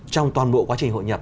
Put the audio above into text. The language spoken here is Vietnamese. trong toàn bộ quá trình hội nhập